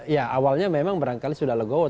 ya awalnya memang barangkali sudah legowo